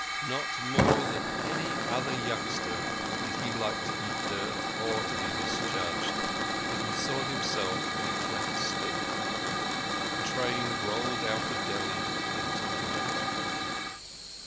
Not more than any other youngster did he like to eat dirt or to be misjudged, but he saw himself in a cleft stick. The train rolled out of Delhi into the night.